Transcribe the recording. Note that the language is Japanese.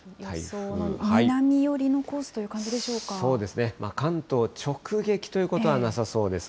南寄りのコースという感じで関東直撃ということはなさそうです。